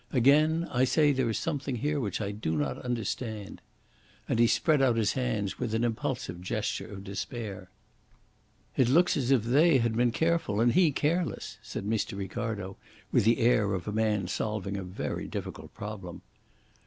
Again I say there is something here which I do not understand." And he spread out his hands with an impulsive gesture of despair. "It looks as if they had been careful and he careless," said Mr. Ricardo, with the air of a man solving a very difficult problem.